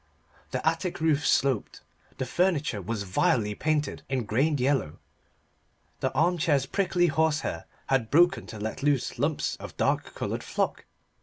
The attic roof sloped, the furniture was vilely painted in grained yellow, the arm chair's prickly horsehair had broken to let loose lumps of dark coloured flock.